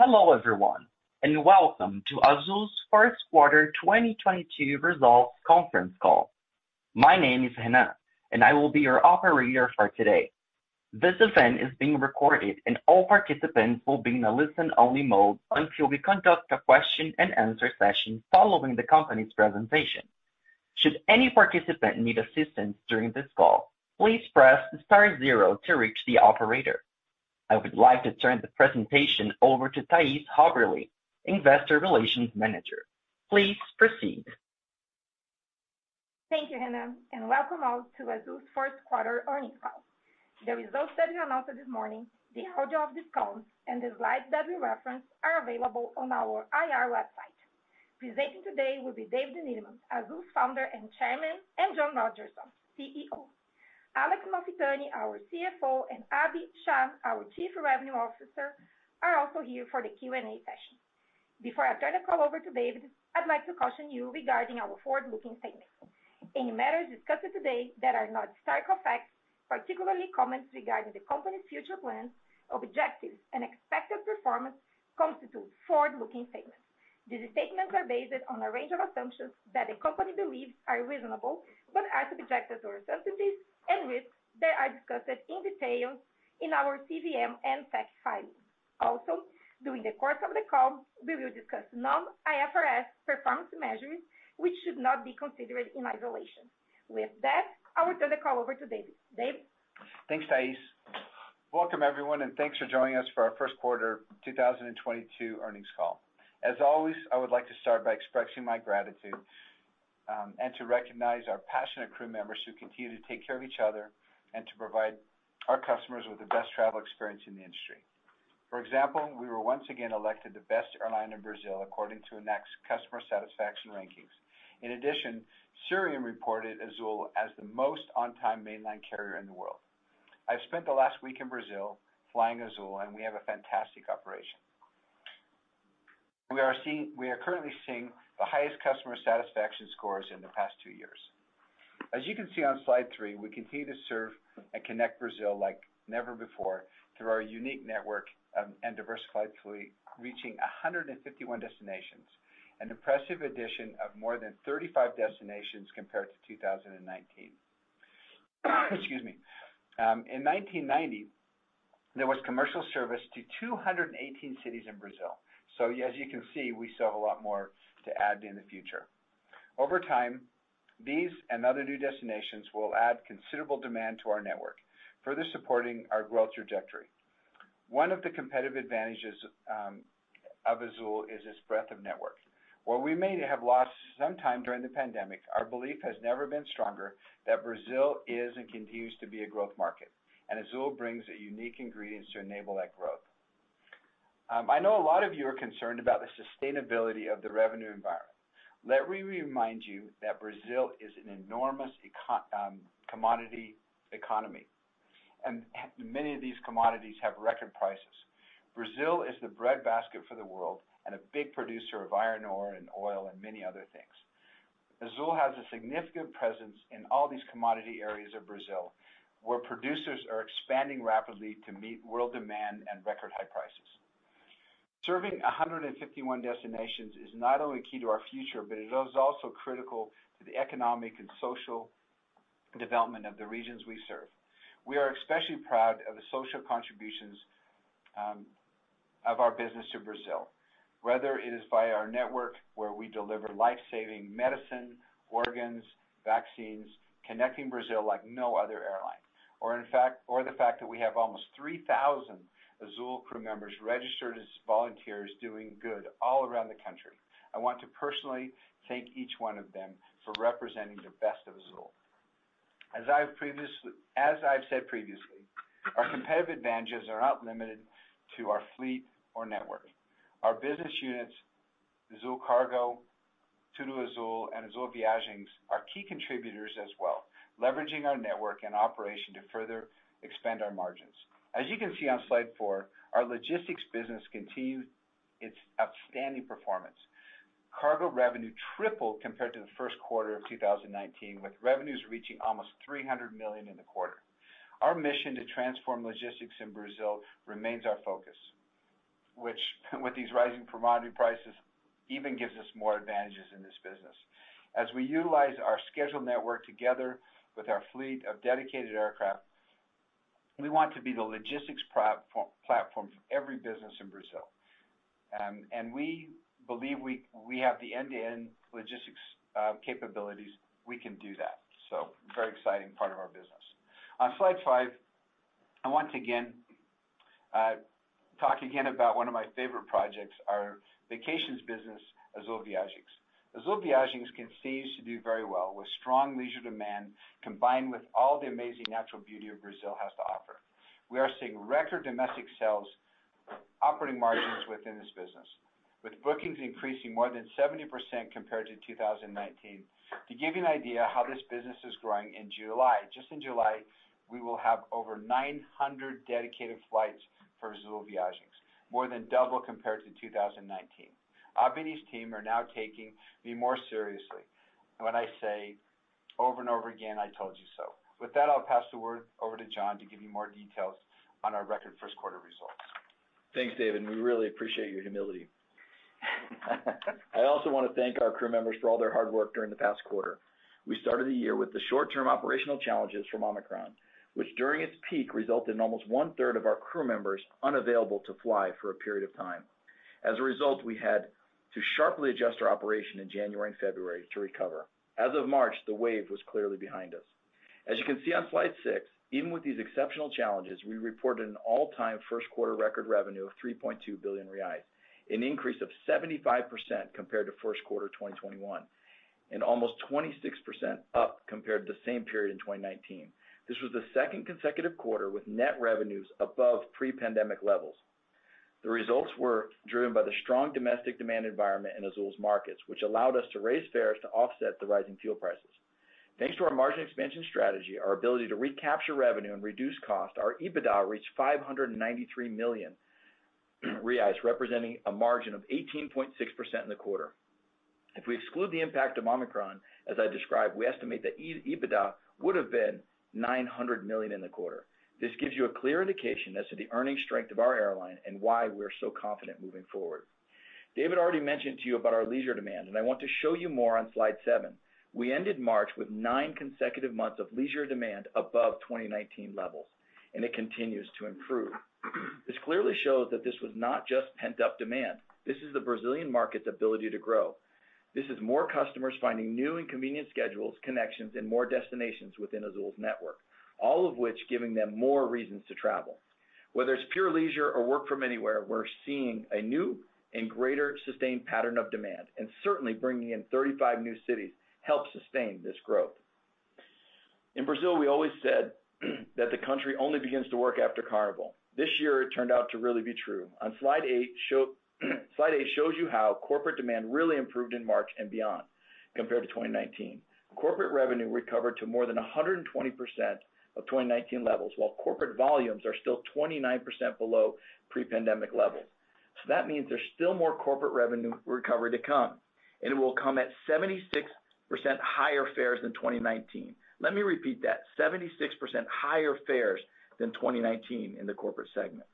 Hello everyone, and welcome to Azul's First Quarter 2022 Results conference call. My name is Hannah, and I will be your operator for today. This event is being recorded, and all participants will be in a listen-only mode until we conduct a question-and-answer session following the company's presentation. Should any participant need assistance during this call, please press star zero to reach the operator. I would like to turn the presentation over to Thais Haberli, Investor Relations Manager. Please proceed. Thank you, Hannah, and welcome all to Azul's Fourth Quarter earnings call. The results that we announced this morning, the audio of this call, and the slides that we reference are available on our IR website. Presenting today will be David Neeleman, Azul's Founder and Chairman, and John Rodgerson, CEO. Alex Malfitani, our CFO, and Abhi Shah, our Chief Revenue Officer, are also here for the Q&A session. Before I turn the call over to David, I'd like to caution you regarding our forward-looking statements. Any matters discussed today that are not historical facts, particularly comments regarding the company's future plans, objectives, and expected performance constitute forward-looking statements. These statements are based on a range of assumptions that the company believes are reasonable but are subjected to uncertainties and risks that are discussed in detail in our CVM and SEC filings. Also, during the course of the call, we will discuss non-IFRS performance measures, which should not be considered in isolation. With that, I will turn the call over to David. Dave? Thanks, Thais. Welcome everyone, and thanks for joining us for our First Quarter 2022 earnings call. As always, I would like to start by expressing my gratitude, and to recognize our passionate crew members who continue to take care of each other and to provide our customers with the best travel experience in the industry. For example, we were once again elected the best airline in Brazil according to ANAC's customer satisfaction rankings. In addition, Cirium reported Azul as the most on-time mainline carrier in the world. I've spent the last week in Brazil flying Azul, and we have a fantastic operation. We are currently seeing the highest customer satisfaction scores in the past two years. As you can see on slide 3, we continue to serve and connect Brazil like never before through our unique network and diversified fleet, reaching 151 destinations, an impressive addition of more than 35 destinations compared to 2019. Excuse me. In 1990, there was commercial service to 218 cities in Brazil. As you can see, we still have a lot more to add in the future. Over time, these and other new destinations will add considerable demand to our network, further supporting our growth trajectory. One of the competitive advantages of Azul is its breadth of network. While we may have lost some time during the pandemic, our belief has never been stronger that Brazil is and continues to be a growth market, and Azul brings the unique ingredients to enable that growth. I know a lot of you are concerned about the sustainability of the revenue environment. Let me remind you that Brazil is an enormous commodity economy, and many of these commodities have record prices. Brazil is the breadbasket for the world and a big producer of iron ore, and oil, and many other things. Azul has a significant presence in all these commodity areas of Brazil, where producers are expanding rapidly to meet world demand at record high prices. Serving 151 destinations is not only key to our future, but it is also critical to the economic and social development of the regions we serve. We are especially proud of the social contributions of our business to Brazil, whether it is via our network where we deliver life-saving medicine, organs, vaccines, connecting Brazil like no other airline, or the fact that we have almost 3,000 Azul crew members registered as volunteers doing good all around the country. I want to personally thank each one of them for representing the best of Azul. As I've said previously, our competitive advantages are not limited to our fleet or network. Our business units, Azul Cargo, TudoAzul, and Azul Viagens, are key contributors as well, leveraging our network and operation to further expand our margins. As you can see on slide 4, our logistics business continued its outstanding performance. Cargo revenue tripled compared to the first quarter of 2019, with revenues reaching almost 300 million in the quarter. Our mission to transform logistics in Brazil remains our focus, which with these rising commodity prices even gives us more advantages in this business. As we utilize our scheduled network together with our fleet of dedicated aircraft, we want to be the logistics platform for every business in Brazil. We believe we have the end-to-end logistics capabilities we can do that. Very exciting part of our business. On slide 5, I want to again talk again about one of my favorite projects, our vacations business, Azul Viagens. Azul Viagens continues to do very well with strong leisure demand combined with all the amazing natural beauty of Brazil has to offer. We are seeing record domestic sales operating margins within this business, with bookings increasing more than 70% compared to 2019. To give you an idea how this business is growing in July, just in July, we will have over 900 dedicated flights for Azul Viagens, more than double compared to 2019. Abhi and his team are now taking me more seriously when I say over and over again, I told you so. With that, I'll pass the word over to John to give you more details on our record first quarter results. Thanks, David, we really appreciate your humility. I also wanna thank our crew members for all their hard work during the past quarter. We started the year with the short-term operational challenges from Omicron, which during its peak, resulted in almost 1/3 of our crew members unavailable to fly for a period of time. As a result, we had to sharply adjust our operation in January and February to recover. As of March, the wave was clearly behind us. As you can see on slide 6, even with these exceptional challenges, we reported an all-time first quarter record revenue of 3.2 billion reais, an increase of 75% compared to first quarter 2021, and almost 26% up compared to the same period in 2019. This was the second consecutive quarter with net revenues above pre-pandemic levels. The results were driven by the strong domestic demand environment in Azul's markets, which allowed us to raise fares to offset the rising fuel prices. Thanks to our margin expansion strategy, our ability to recapture revenue and reduce cost, our EBITDA reached 593 million reais, representing a margin of 18.6% in the quarter. If we exclude the impact of Omicron, as I described, we estimate that EBITDA would have been 900 million in the quarter. This gives you a clear indication as to the earnings strength of our airline and why we're so confident moving forward. David already mentioned to you about our leisure demand, and I want to show you more on slide 7. We ended March with 9 consecutive months of leisure demand above 2019 levels, and it continues to improve. This clearly shows that this was not just pent-up demand. This is the Brazilian market's ability to grow. This is more customers finding new and convenient schedules, connections, and more destinations within Azul's network, all of which giving them more reasons to travel. Whether it's pure leisure or work from anywhere, we're seeing a new and greater sustained pattern of demand, and certainly bringing in 35 new cities helps sustain this growth. In Brazil, we always said that the country only begins to work after Carnival. This year, it turned out to really be true. Slide 8 shows you how corporate demand really improved in March and beyond compared to 2019. Corporate revenue recovered to more than 120% of 2019 levels, while corporate volumes are still 29% below pre-pandemic levels. That means there's still more corporate revenue recovery to come, and it will come at 76% higher fares than 2019. Let me repeat that, 76% higher fares than 2019 in the corporate segment.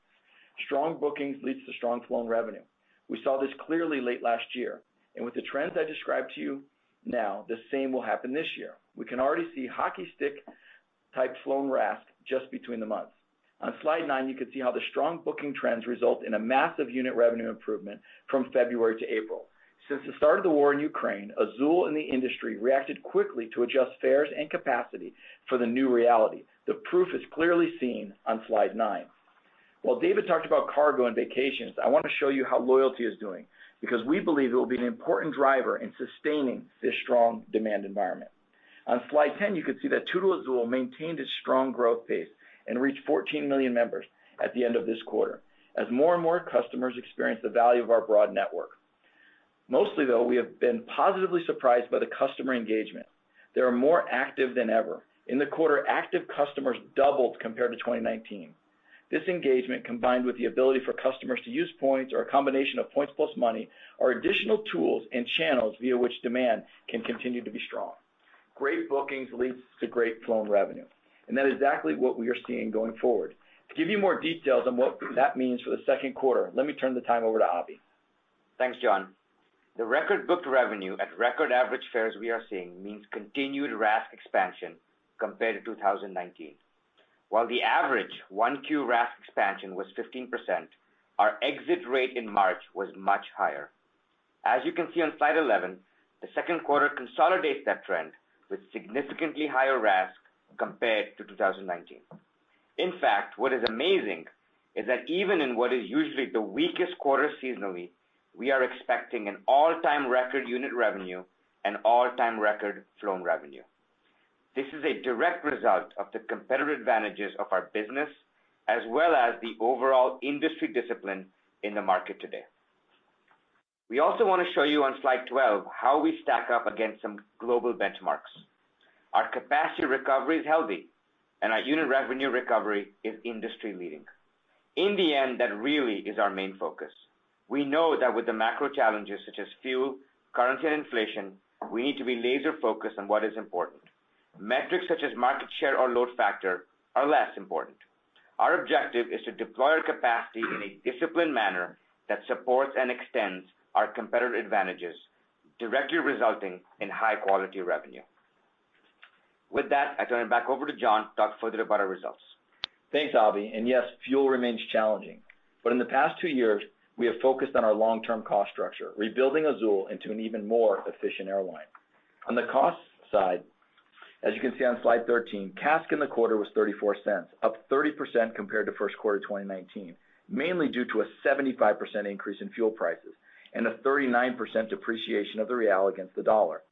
Strong bookings leads to strong flown revenue. We saw this clearly late last year, and with the trends I described to you now, the same will happen this year. We can already see hockey stick type flown RASK just between the months. On slide 9, you can see how the strong booking trends result in a massive unit revenue improvement from February to April. Since the start of the war in Ukraine, Azul and the industry reacted quickly to adjust fares and capacity for the new reality. The proof is clearly seen on slide 9. While David talked about cargo and vacations, I want to show you how loyalty is doing because, we believe it will be an important driver in sustaining this strong demand environment. On slide 10, you can see that TudoAzul maintained its strong growth pace and reached 14 million members at the end of this quarter, as more and more customers experience the value of our broad network. Mostly though, we have been positively surprised by the customer engagement. They are more active than ever. In the quarter, active customers doubled compared to 2019. This engagement, combined with the ability for customers to use points or a combination of points plus money, are additional tools and channels via which demand can continue to be strong. Great bookings leads to great flown revenue, and that is exactly what we are seeing going forward. To give you more details on what that means for the second quarter, let me turn it over to Abhi. Thanks, John. The record booked revenue at record average fares we are seeing means continued RASK expansion compared to 2019. While the average 1Q RASK expansion was 15%, our exit rate in March was much higher. As you can see on slide 11, the second quarter consolidates that trend with significantly higher RASK compared to 2019. In fact, what is amazing is that even in what is usually the weakest quarter seasonally, we are expecting an all-time record unit revenue and all-time record flown revenue. This is a direct result of the competitive advantages of our business, as well as the overall industry discipline in the market today. We also wanna show you on slide 12 how we stack up against some global benchmarks. Our capacity recovery is healthy, and our unit revenue recovery is industry-leading. In the end, that really is our main focus. We know that with the macro challenges such as fuel, currency, and inflation, we need to be laser-focused on what is important. Metrics such as market share or load factor are less important. Our objective is to deploy our capacity in a disciplined manner that supports and extends our competitive advantages, directly resulting in high quality revenue. With that, I turn it back over to John to talk further about our results. Thanks, Abhi. Yes, fuel remains challenging. In the past two years, we have focused on our long-term cost structure, rebuilding Azul into an even more efficient airline. On the cost side, as you can see on slide 13, CASK in the quarter was $0.34, up 30% compared to first quarter 2019, mainly due to a 75% increase in fuel prices, and a 39% depreciation of the real against the dollar,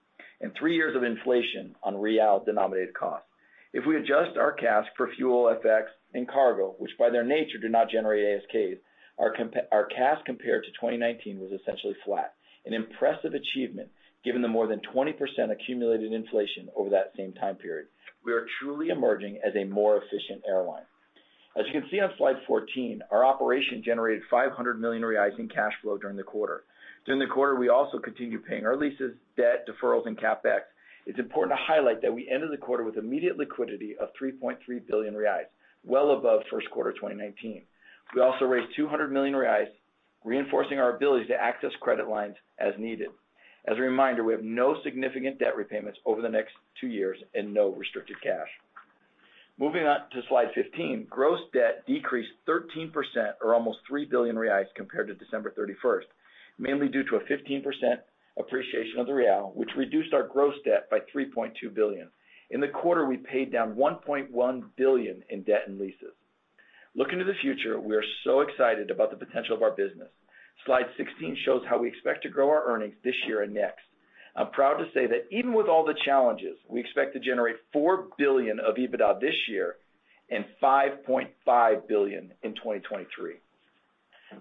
and three years of inflation on real denominated costs. If we adjust our CASK for fuel, FX, and cargo, which by their nature do not generate ASKs, our CASK compared to 2019 was essentially flat, an impressive achievement given the more than 20% accumulated inflation over that same time period. We are truly emerging as a more efficient airline. As you can see on slide 14, our operation generated 500 million reais in cash flow during the quarter. During the quarter, we also continued paying our leases, debt, deferrals, and CapEx. It's important to highlight that we ended the quarter with immediate liquidity of 3.3 billion reais, well above first quarter 2019. We also raised 200 million reais, reinforcing our ability to access credit lines as needed. As a reminder, we have no significant debt repayments over the next two years and no restricted cash. Moving on to slide 15, gross debt decreased 13% or almost 3 billion reais compared to December 31, mainly due to a 15% appreciation of the real, which reduced our gross debt by 3.2 billion. In the quarter, we paid down 1.1 billion in debt and leases. Looking to the future, we are so excited about the potential of our business. Slide 16 shows how we expect to grow our earnings this year and next. I'm proud to say that even with all the challenges, we expect to generate 4 billion of EBITDA this year and 5.5 billion in 2023.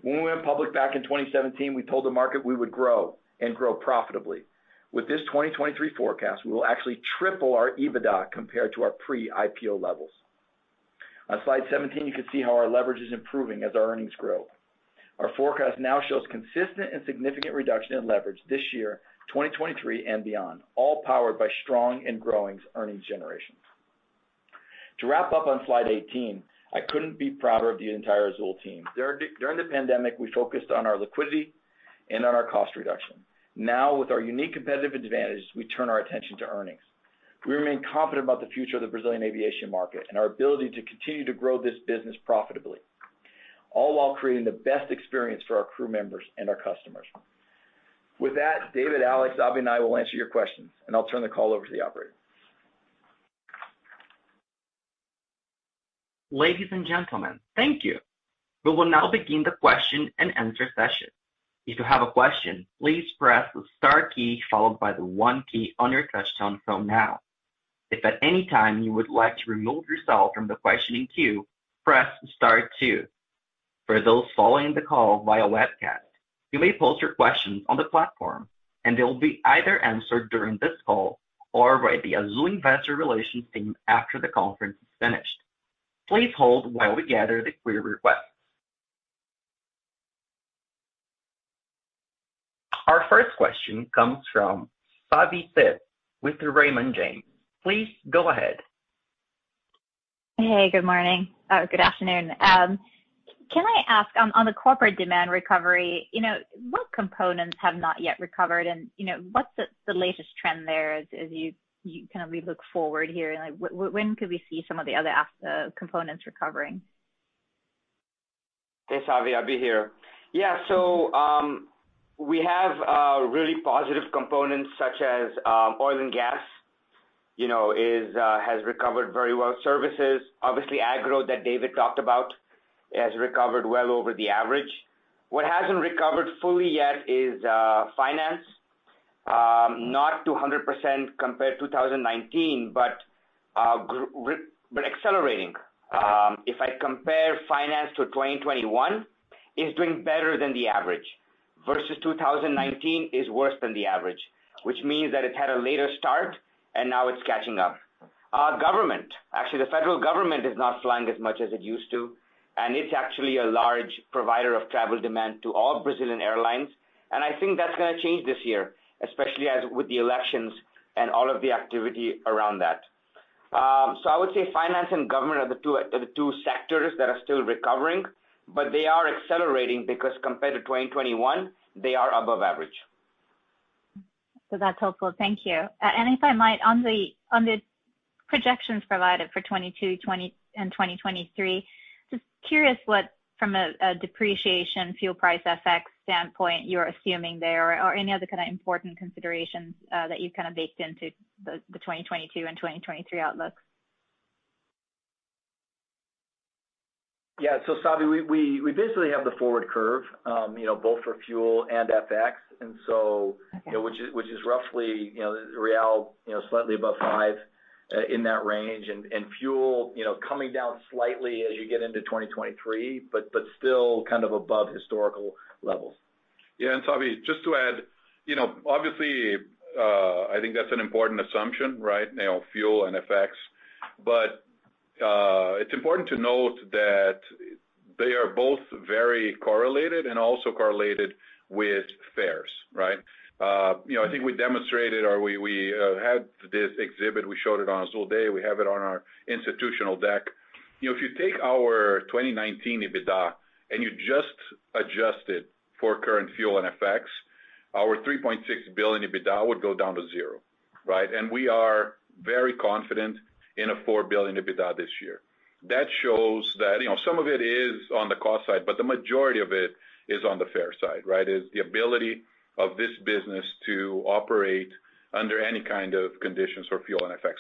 When we went public back in 2017, we told the market we would grow and grow profitably. With this 2023 forecast, we will actually triple our EBITDA compared to our pre-IPO levels. On Slide 17, you can see how our leverage is improving as our earnings grow. Our forecast now shows consistent and significant reduction in leverage this year, 2023 and beyond, all powered by strong and growing earnings generation. To wrap up on slide 18, I couldn't be prouder of the entire Azul team. During the pandemic, we focused on our liquidity and on our cost reduction. Now, with our unique competitive advantage, we turn our attention to earnings. We remain confident about the future of the Brazilian aviation market and our ability to continue to grow this business profitably, all while creating the best experience for our crew members and our customers. With that, David, Alex, Abhi, and I will answer your questions, and I'll turn the call over to the operator. Ladies and gentlemen, thank you. We will now begin the question-and-answer session. If you have a question, please press the star key followed by the one key on your touchtone phone now. If at any time you would like to remove yourself from the questioning queue, press star two. For those following the call via webcast, you may post your questions on the platform, and they will be either answered during this call, or by the Azul investor relations team after the conference is finished. Please hold while we gather the query requests. Our first question comes from Savi Syth with Raymond James. Please go ahead. Hey, good morning. Good afternoon. Can I ask on the corporate demand recovery, you know, what components have not yet recovered and, you know, what's the latest trend there as you kind of look forward here? Like, when could we see some of the other components recovering? Thanks, Savi. Abhi here. Yeah, we have really positive components such as oil and gas, you know, has recovered very well. Services, obviously agro that David talked about, has recovered well over the average. What hasn't recovered fully yet is finance, not to 100% compared to 2019, but accelerating. If I compare finance to 2021, it's doing better than the average. Versus 2019, is worse than the average, which means that it had a later start and now it's catching up. Government, actually the federal government is not flying as much as it used to, and it's actually a large provider of travel demand to all Brazilian airlines. I think that's gonna change this year, especially as with the elections and all of the activity around that. I would say finance and government are the two sectors that are still recovering, but they are accelerating because compared to 2021, they are above average. That's helpful. Thank you. If I might, on the projections provided for 2022 and 2023, just curious what from a depreciation fuel price FX standpoint you're assuming there or any other kind of important considerations that you've kind of baked into the 2022 and 2023 outlooks. Yeah. Savi, we basically have the forward curve, you know, both for fuel and FX. Okay. You know, which is roughly, you know, real, you know, slightly above five in that range. Fuel, you know, coming down slightly as you get into 2023, but still kind of above historical levels. Yeah. Savi, just to add, you know, obviously, I think that's an important assumption, right? You know, fuel and FX. It's important to note that they are both very correlated and also correlated with fares, right? You know, I think we demonstrated or we had this exhibit, we showed it on Azul Day, we have it on our institutional deck. You know, if you take our 2019 EBITDA and you just adjust it for current fuel and FX, our 3.6 billion EBITDA would go down to zero, right? We are very confident in a 4 billion EBITDA this year. That shows that, you know, some of it is on the cost side, but the majority of it is on the fare side, right? It's the ability of this business to operate under any kind of conditions for fuel and FX.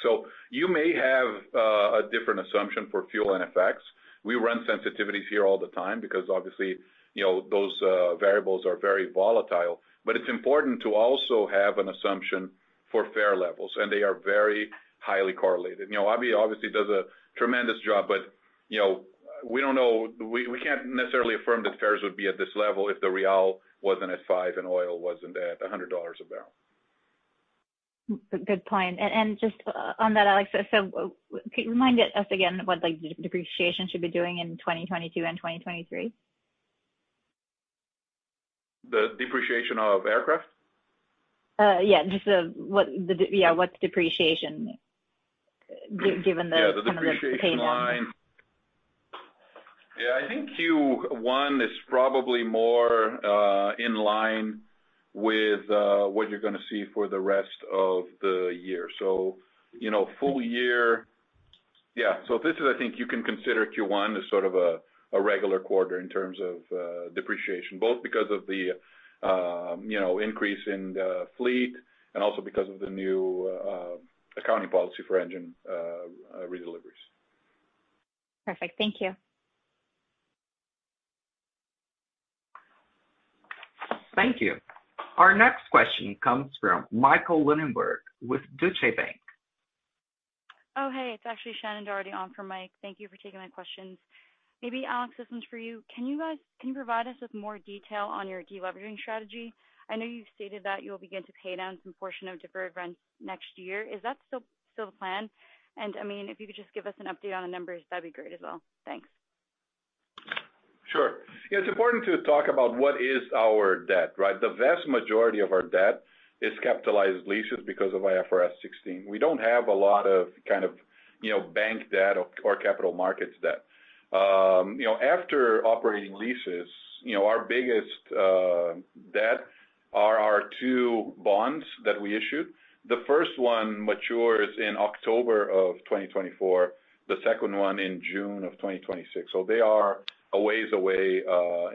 You may have a different assumption for fuel and FX. We run sensitivities here all the time because obviously, you know, those variables are very volatile. It's important to also have an assumption for fare levels, and they are very highly correlated. You know, Abhi obviously does a tremendous job, but, you know, we can't necessarily affirm that fares would be at this level if the real wasn't at five, and oil wasn't at $100 a barrel. Good point. Just on that, Alex, so could you remind us again what, like, depreciation should be doing in 2022 and 2023? The depreciation of aircraft? What's depreciation given the- Yeah, the depreciation line.... Some of the repayment on that. Yeah, I think Q1 is probably more in line with what you're gonna see for the rest of the year. You know, full year. This is, I think you can consider Q1 as sort of a regular quarter in terms of depreciation, both because of the increase in the fleet, and also because of the new accounting policy for engine redeliveries. Perfect. Thank you. Thank you. Our next question comes from Michael Linenberg with Deutsche Bank. Oh, hey, it's actually Shannon Doherty on for Mike. Thank you for taking my questions. Maybe Alex, this one's for you. Can you provide us with more detail on your deleveraging strategy? I know you've stated that you'll begin to pay down some portion of deferred rents next year. Is that still the plan? I mean, if you could just give us an update on the numbers, that'd be great as well. Thanks. Sure. Yeah, it's important to talk about what is our debt, right? The vast majority of our debt is capitalized leases because of IFRS 16. We don't have a lot of kind of, you know, bank debt or capital markets debt. You know, after operating leases, you know, our biggest debt are our two bonds that we issued. The first one matures in October of 2024, the second one in June of 2026. They are a ways away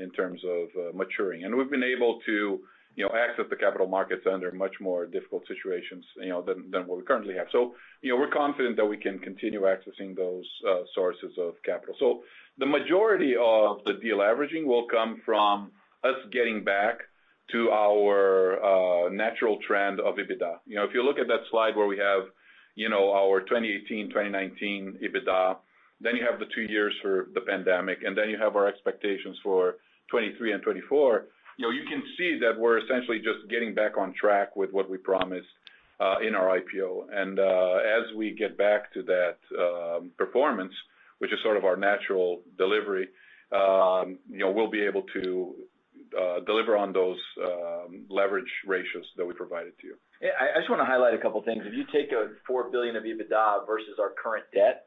in terms of maturing. We've been able to, you know, access the capital markets under much more difficult situations, you know, than what we currently have. You know, we're confident that we can continue accessing those sources of capital. The majority of the deleveraging will come from us getting back to our natural trend of EBITDA. You know, if you look at that slide where we have, you know, our 2018, 2019 EBITDA, then you have the two years for the pandemic, and then you have our expectations for 2023 and 2024, you know, you can see that we're essentially just getting back on track with what we promised in our IPO. As we get back to that performance, which is sort of our natural delivery, you know, we'll be able to deliver on those leverage ratios that we provided to you. Yeah, I just want to highlight a couple of things. If you take 4 billion of EBITDA versus our current debt,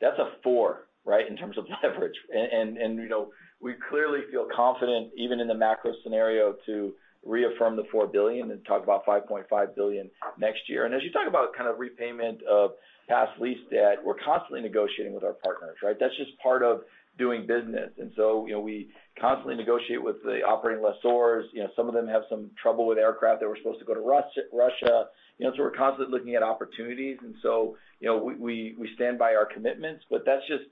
that's a four, right, in terms of leverage. You know, we clearly feel confident even in the macro scenario to reaffirm the 4 billion and talk about 5.5 billion next year. As you talk about kind of repayment of past lease debt, we're constantly negotiating with our partners, right? That's just part of doing business. You know, we constantly negotiate with the operating lessors. You know, some of them have some trouble with aircraft that were supposed to go to Russia. You know, we're constantly looking at opportunities. You know, we stand by our commitments, but that's just,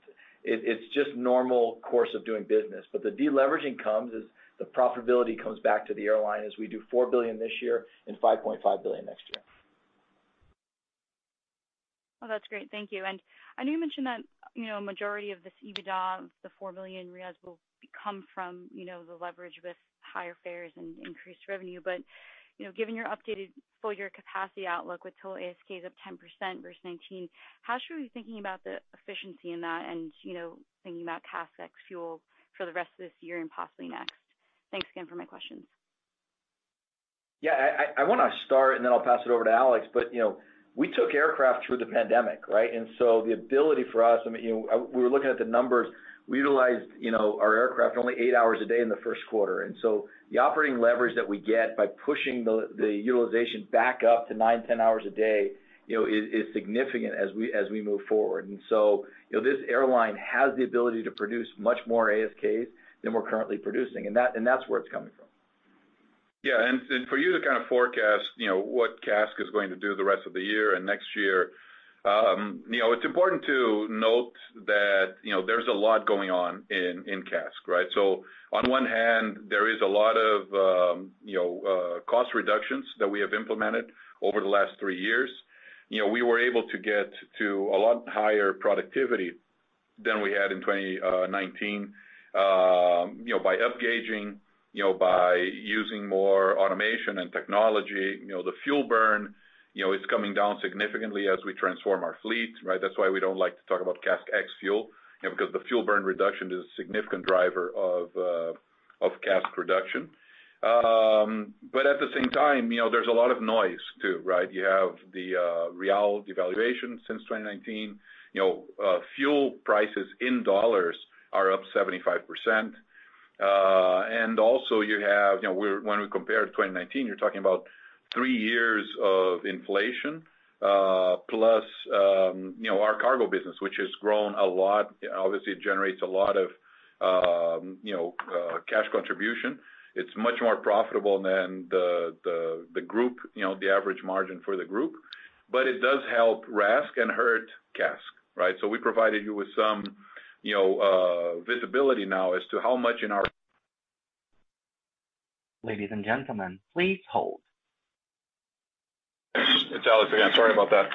it's just normal course of doing business. The deleveraging comes as the profitability comes back to the airline as we do 4 billion this year and 5.5 billion next year. Well, that's great. Thank you. I know you mentioned that, you know, a majority of this EBITDA, the 4 billion reais will come from, you know, the leverage with higher fares and increased revenue. You know, given your updated full year capacity outlook with total ASKs up 10% versus 2019, how should we be thinking about the efficiency in that and, you know, thinking about CASK ex-fuel for the rest of this year and possibly next? Thanks again for my questions. Yeah, I wanna start, and then I'll pass it over to Alex. You know, we took aircraft through the pandemic, right? The ability for us, I mean, you know, we were looking at the numbers, we utilized you know, our aircraft only 8 hours a day in the first quarter. The operating leverage that we get by pushing the utilization back up to 9 hours, 10 hours a day, you know, is significant as we move forward. You know, this airline has the ability to produce much more ASKs than we're currently producing, and that's where it's coming from. Yeah, for you to kind of forecast, you know, what CASK is going to do the rest of the year and next year, you know, it's important to note that, you know, there's a lot going on in CASK, right? On one hand, there is a lot of, you know, cost reductions that we have implemented over the last three years. You know, we were able to get to a lot higher productivity than we had in 2019, you know, by upgauging, you know, by using more automation and technology. You know, the fuel burn, you know, is coming down significantly as we transform our fleet, right? That's why we don't like to talk about CASK ex-fuel, you know, because the fuel burn reduction is a significant driver of CASK reduction. At the same time, you know, there's a lot of noise too, right? You have the real devaluation since 2019. You know, fuel prices in dollars are up 75%. Also you have, you know, when we compare to 2019, you're talking about three years of inflation, plus, you know, our cargo business, which has grown a lot. Obviously, it generates a lot of cash contribution. It's much more profitable than the group, you know, the average margin for the group. It does help RASK and hurt CASK, right? We provided you with some, you know, visibility now as to how much in our- Ladies and gentlemen, please hold. It's Alex again. Sorry about that.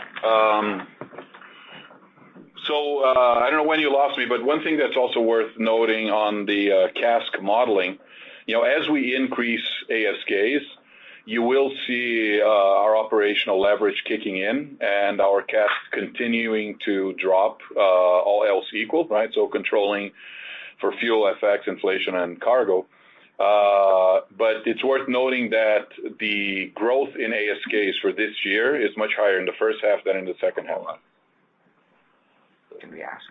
I don't know when you lost me, but one thing that's also worth noting on the CASK modeling, you know, as we increase ASKs, you will see our operational leverage kicking in and our CASK continuing to drop, all else equal, right? Controlling for fuel effects, inflation, and cargo. It's worth noting that the growth in ASKs for this year is much higher in the first half than in the second half. Hold on. Can we ask?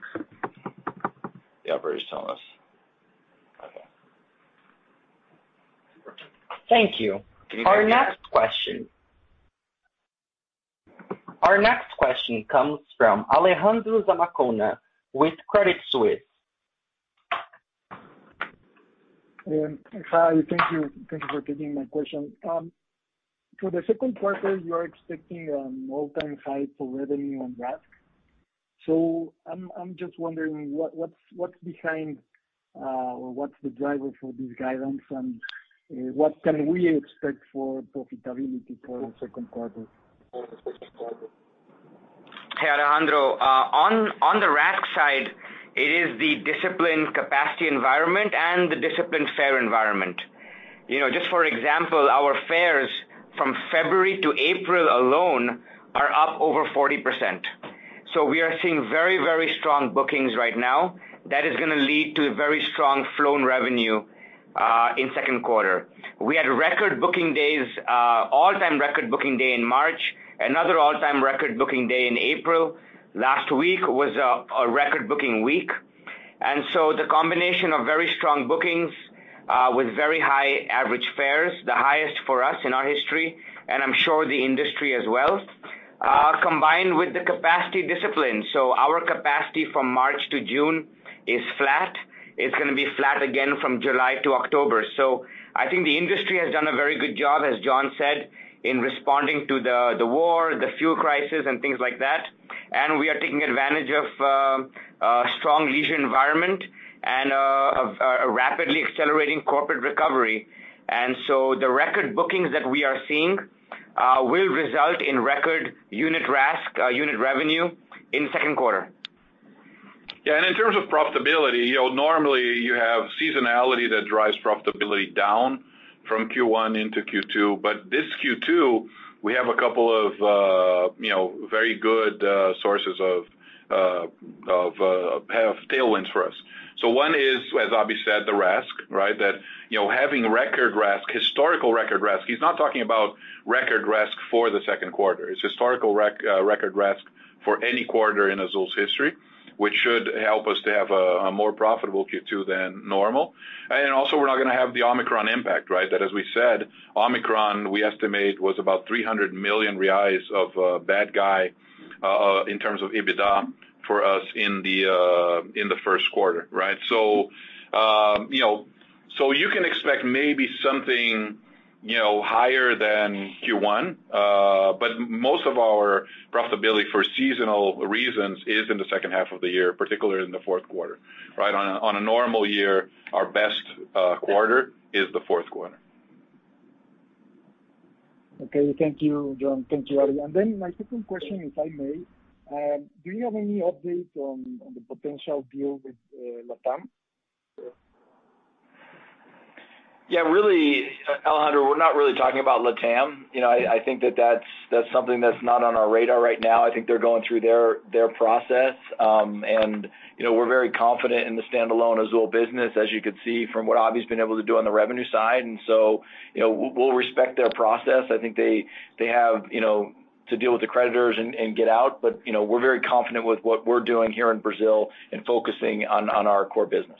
Yeah, Barry's telling us. Okay. Thank you. Our next question comes from Alejandro Zamacona with Credit Suisse. Hi. Thank you for taking my question. For the second quarter, you are expecting all-time highs for revenue on RASK. I'm just wondering what's behind, or what's the driver for this guidance, and what can we expect for profitability for the second quarter? For the second quarter. Hey, Alejandro. On the RASK side, it is the disciplined capacity environment and the disciplined fare environment. You know, just for example, our fares from February to April alone are up over 40%. We are seeing very, very strong bookings right now. That is gonna lead to very strong flown revenue in second quarter. We had record booking days, all-time record booking day in March, another all-time record booking day in April. Last week was a record booking week. The combination of very strong bookings with very high average fares, the highest for us in our history, and I'm sure the industry as well, combined with the capacity discipline. Our capacity from March to June is flat. It's gonna be flat again from July to October. I think the industry has done a very good job, as John said, in responding to the war, the fuel crisis, and things like that. We are taking advantage of a strong leisure environment and a rapidly accelerating corporate recovery. The record bookings that we are seeing will result in record unit RASK unit revenue in second quarter. Yeah, in terms of profitability, you know, normally you have seasonality that drives profitability down from Q1 into Q2, but this Q2 we have a couple of, you know, very good sources of tailwinds for us. One is, as Abhi said, the RASK, right? That, you know, having record RASK, historical record RASK. He's not talking about record RASK for the second quarter. It's historical record RASK for any quarter in Azul's history, which should help us to have a more profitable Q2 than normal. Also, we're not gonna have the Omicron impact, right? That, as we said, Omicron, we estimate, was about 300 million reais in terms of EBITDA for us in the first quarter, right? You can expect maybe something, you know, higher than Q1. But most of our profitability for seasonal reasons is in the second half of the year, particularly in the fourth quarter. Right. On a normal year, our best quarter is the fourth quarter. Okay. Thank you, John. Thank you, Abhi. My second question, if I may, do you have any updates on the potential deal with LATAM? Yeah, really, Alejandro, we're not really talking about LATAM. You know, I think that's something that's not on our radar right now. I think they're going through their process. You know, we're very confident in the standalone Azul business, as you could see from what Abhi's been able to do on the revenue side. You know, we'll respect their process. I think they have, you know, to deal with the creditors and get out. You know, we're very confident with what we're doing here in Brazil and focusing on our core business.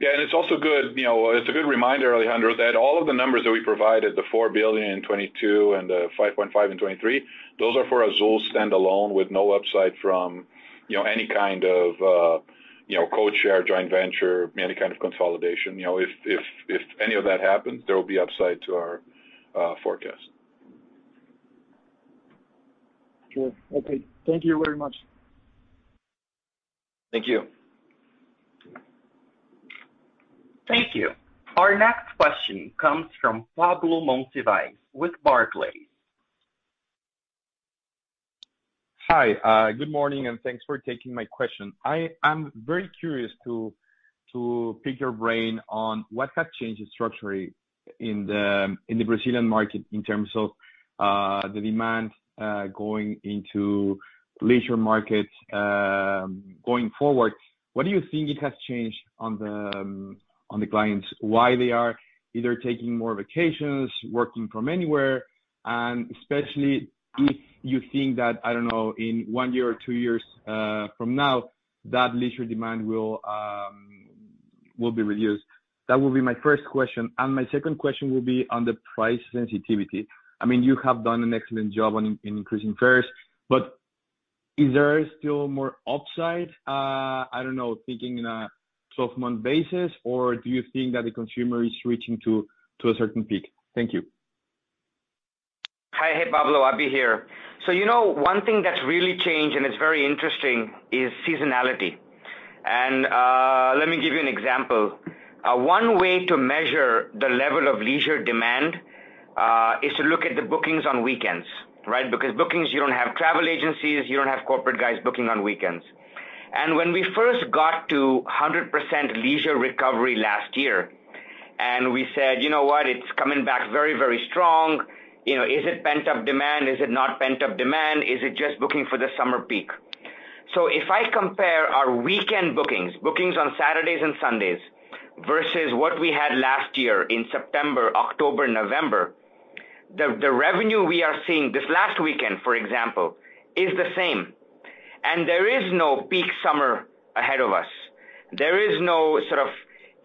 Yeah, it's also good. You know, it's a good reminder, Alejandro, that all of the numbers that we provided, the 4 billion in 2022 and the 5.5 billion in 2023, those are for Azul standalone with no upside from, you know, any kind of codeshare, joint venture, any kind of consolidation. You know, if any of that happens, there will be upside to our forecast. Sure. Okay. Thank you very much. Thank you. Thank you. Our next question comes from Pablo Monsivais with Barclays. Hi. Good morning, and thanks for taking my question. I am very curious to pick your brain on what has changed structurally in the Brazilian market, in terms of the demand going into leisure markets going forward. What do you think it has changed on the clients, why they are either taking more vacations, working from anywhere, and especially if you think that, I don't know, in one year or two years from now, that leisure demand will be reduced? That will be my first question. My second question will be on the price sensitivity. I mean, you have done an excellent job on in increasing fares, but is there still more upside, I don't know, thinking in a 12-month basis, or do you think that the consumer is reaching to a certain peak? Thank you. Hi. Hey, Pablo. Abhi here. You know, one thing that's really changed, and it's very interesting, is seasonality. Let me give you an example. One way to measure the level of leisure demand is to look at the bookings on weekends, right? Because bookings, you don't have travel agencies, you don't have corporate guys booking on weekends. When we first got to 100% leisure recovery last year, and we said, "You know what? It's coming back very, very strong. You know, is it pent-up demand? Is it not pent-up demand? Is it just booking for the summer peak?" If I compare our weekend bookings on Saturdays and Sundays, versus what we had last year in September, October, November, the revenue we are seeing this last weekend, for example, is the same. There is no peak summer ahead of us. There is no sort of,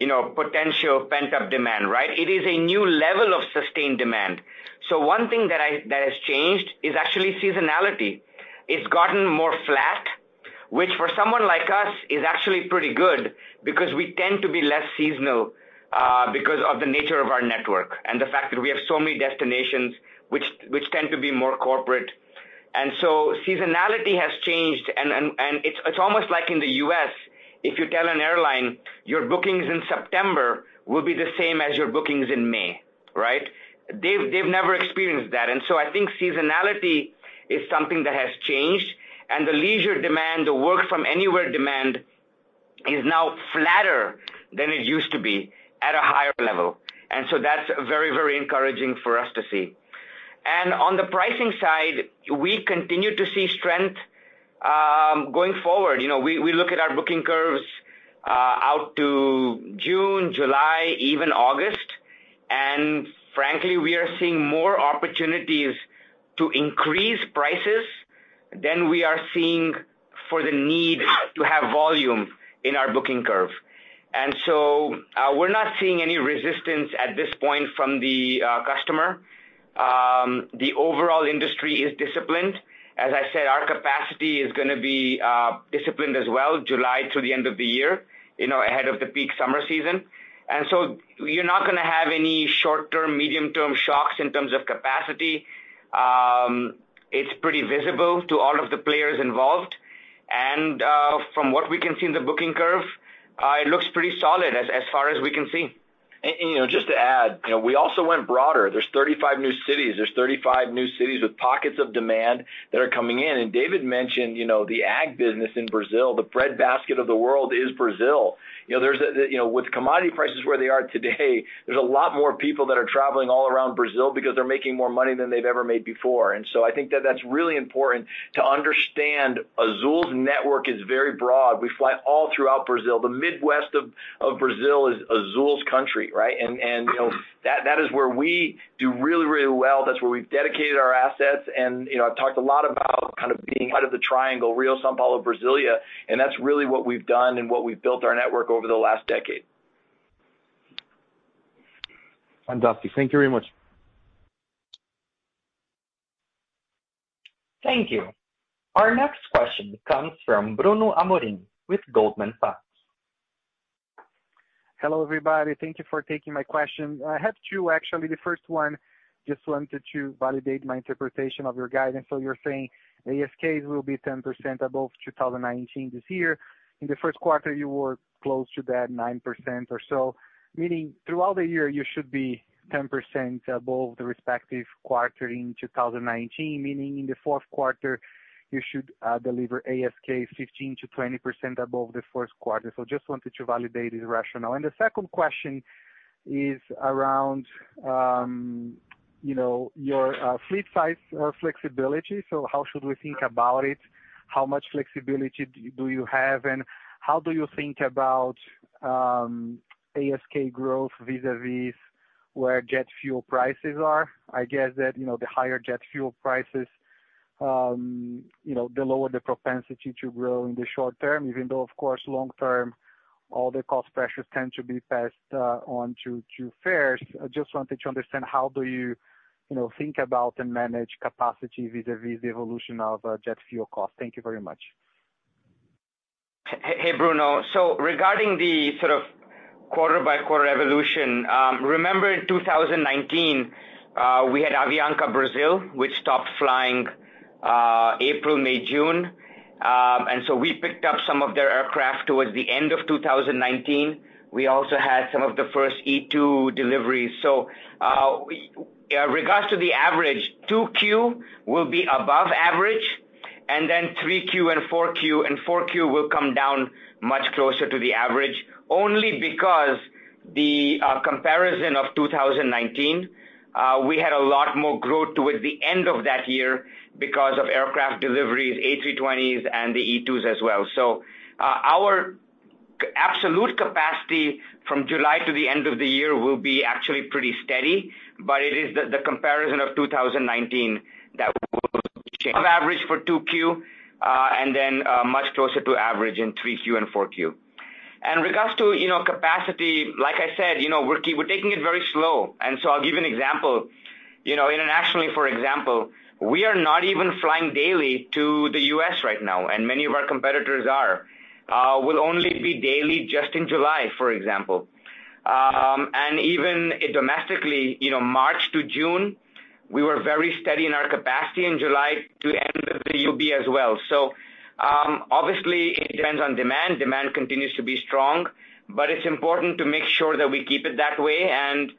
you know, potential pent-up demand, right? It is a new level of sustained demand. One thing that has changed is actually seasonality. It's gotten more flat, which for someone like us, is actually pretty good because we tend to be less seasonal, because of the nature of our network, and the fact that we have so many destinations which tend to be more corporate. Seasonality has changed and it's almost like in the U.S., if you tell an airline your bookings in September will be the same as your bookings in May, right? They've never experienced that. I think seasonality is something that has changed. The leisure demand, the work from anywhere demand, is now flatter than it used to be at a higher level. That's very, very encouraging for us to see. On the pricing side, we continue to see strength, going forward. You know, we look at our booking curves out to June, July, even August, and frankly, we are seeing more opportunities to increase prices, than we are seeing for the need to have volume in our booking curve. We're not seeing any resistance at this point from the customer. The overall industry is disciplined. As I said, our capacity is gonna be disciplined as well, July through the end of the year, you know, ahead of the peak summer season. You're not gonna have any short-term, medium-term shocks in terms of capacity. It's pretty visible to all of the players involved. From what we can see in the booking curve, it looks pretty solid as far as we can see. You know, just to add, you know, we also went broader. There's 35 new cities with pockets of demand that are coming in. David mentioned, you know, the ag business in Brazil, the breadbasket of the world is Brazil. You know, with commodity prices where they are today, there's a lot more people that are traveling all around Brazil because they're making more money than they've ever made before. I think that that's really important to understand Azul's network is very broad. We fly all throughout Brazil. The Midwest of Brazil is Azul's country, right? You know, that is where we do really well. That's where we've dedicated our assets. You know, I've talked a lot about kind of being out of the triangle, Rio, São Paulo, Brasília, and that's really what we've done and what we've built our network over the last decade. Fantastic. Thank you very much. Thank you. Our next question comes from Bruno Amorim with Goldman Sachs. Hello, everybody. Thank you for taking my question. I have two, actually. The first one, just wanted to validate my interpretation of your guidance. You're saying ASKs will be 10% above 2019 this year. In the first quarter, you were close to that 9% or so, meaning throughout the year, you should be 10% above the respective quarter in 2019, meaning in the fourth quarter, you should deliver ASK 15%-20% above the first quarter. Just wanted to validate this rationale. The second question is around, you know, your fleet size or flexibility. How should we think about it? How much flexibility do you have, and how do you think about ASK growth vis-à-vis where jet fuel prices are? I guess that, you know, the higher jet fuel prices, you know, the lower the propensity to grow in the short term, even though, of course, long term, all the cost pressures tend to be passed on to fares. I just wanted to understand how do you know, think about and manage capacity vis-à-vis the evolution of jet fuel cost. Thank you very much. Hey, Bruno. Regarding the sort of quarter-by-quarter evolution, remember in 2019 we had Avianca Brasil, which stopped flying April, May, June. We picked up some of their aircraft towards the end of 2019. We also had some of the first E2 deliveries. With regards to the average, 2Q will be above average, and then 3Q and 4Q, and 4Q will come down much closer to the average, only because the comparison of 2019, we had a lot more growth towards the end of that year because of aircraft deliveries, A320s and the E2s as well. Our absolute capacity from July to the end of the year will be actually pretty steady, but it is the comparison of 2019 that will change. Above average for 2Q, and then much closer to average in 3Q and 4Q. In regards to, you know, capacity, like I said, you know, we're taking it very slow. I'll give you an example. You know, internationally, for example, we are not even flying daily to the U.S. right now, and many of our competitors are. We'll only be daily just in July, for example. Even domestically, you know, March to June, we were very steady in our capacity in July to the end of the year as well. Obviously, it depends on demand. Demand continues to be strong, but it's important to make sure that we keep it that way, and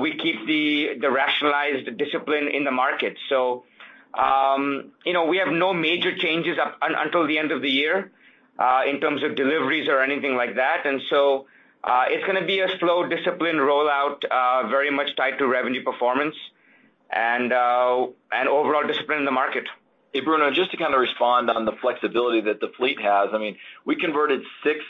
we keep the rationalized discipline in the market. You know, we have no major changes until the end of the year in terms of deliveries or anything like that. It's gonna be a slow, disciplined rollout very much tied to revenue performance and overall discipline in the market. Hey, Bruno, just to kind of respond on the flexibility that the fleet has. I mean, we converted six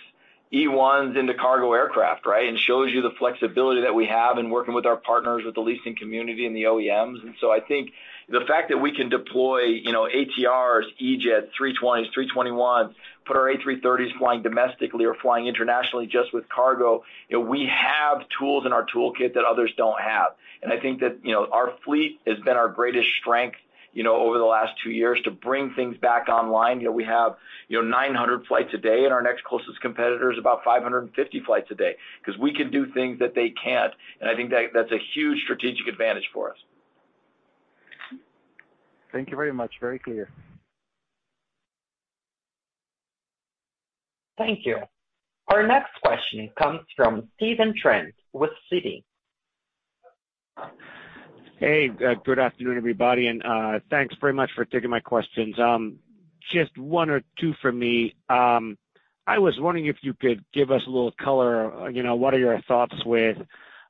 E1s into cargo aircraft, right? It shows you the flexibility that we have in working with our partners, with the leasing community and the OEMs. I think the fact that we can deploy, you know, ATRs, E-Jets, 320s, 321s, put our A330s flying domestically or flying internationally just with cargo. You know, we have tools in our toolkit that others don't have. I think that, you know, our fleet has been our greatest strength, you know, over the last two years to bring things back online. You know, we have, you know, 900 flights a day, and our next closest competitor is about 550 flights a day, 'cause we can do things that they can't, and I think that that's a huge strategic advantage for us. Thank you very much. Very clear. Thank you. Our next question comes from Stephen Trent with Citi. Hey, good afternoon, everybody, and thanks very much for taking my questions. Just one or two for me. I was wondering if you could give us a little color, you know, what are your thoughts with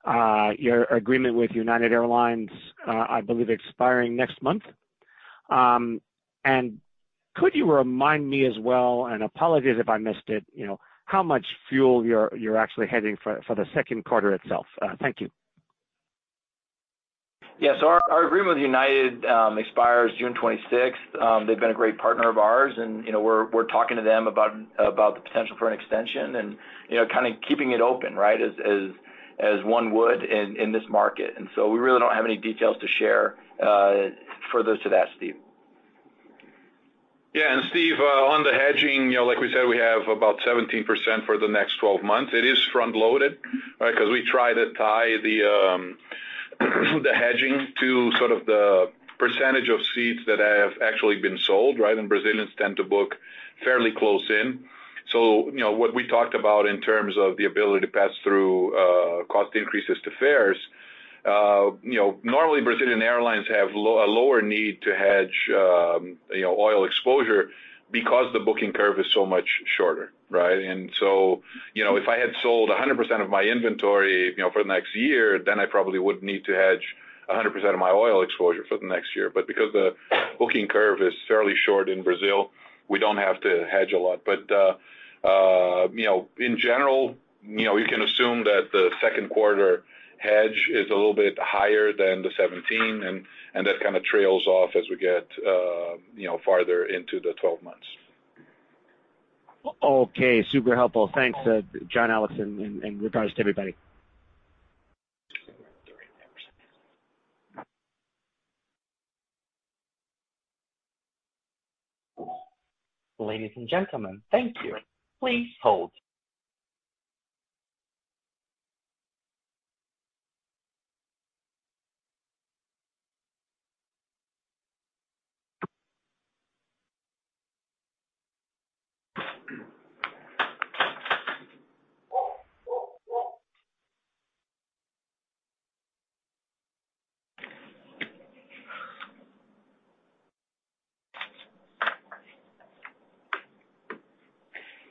your agreement with United Airlines, I believe expiring next month? Could you remind me as well, and apologies if I missed it, you know, how much fuel you're actually hedging for the second quarter itself? Thank you. Yes. Our agreement with United expires June 26th. They've been a great partner of ours and, you know, we're talking to them about the potential for an extension and, you know, kind of keeping it open, right? As one would in this market. We really don't have any details to share further to that, Steve. Yeah. Steve, on the hedging, you know, like we said, we have about 17% for the next 12 months. It is front loaded, right? Because we try to tie the hedging to sort of the percentage of seats that have actually been sold, right? Brazilians tend to book fairly close in. You know, what we talked about in terms of the ability to pass through cost increases to fares, you know, normally Brazilian airlines have a lower need to hedge, you know, oil exposure because the booking curve is so much shorter, right? You know, if I had sold 100% of my inventory, you know, for the next year, then I probably would need to hedge 100% of my oil exposure for the next year. Because the booking curve is fairly short in Brazil, we don't have to hedge a lot. You know, in general, you know, you can assume that the second quarter hedge is a little bit higher than the 17%, and that kind of trails off as we get, you know, farther into the 12 months. Okay. Super helpful. Thanks, John, Alex, and regards to everybody. Ladies and gentlemen, thank you. Please hold.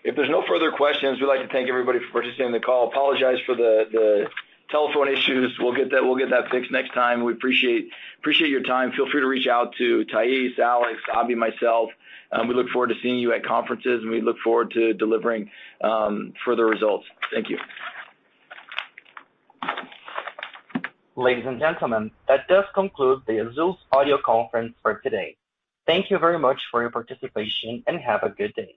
If there's no further questions, we'd like to thank everybody for participating in the call. Apologize for the telephone issues. We'll get that fixed next time. We appreciate your time. Feel free to reach out to Thais, Alex, Abhi, myself. We look forward to seeing you at conferences, and we look forward to delivering further results. Thank you. Ladies and gentlemen, that does conclude the Azul's audio conference for today. Thank you very much for your participation, and have a good day.